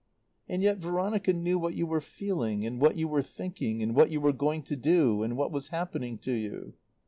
And yet Veronica knew what you were feeling and what you were thinking, and what you were going to do, and what was happening to you.